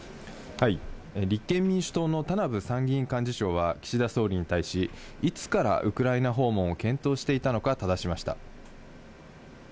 立憲民主党の田名部参議院幹事長は、岸田総理に対し、いつからウクライナ訪問を検討していたのかただしました。